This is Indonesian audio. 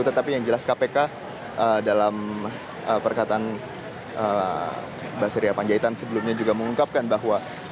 tetapi yang jelas kpk dalam perkataan basria panjaitan sebelumnya juga mengungkapkan bahwa